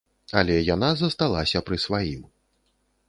Але яна засталася пры сваім.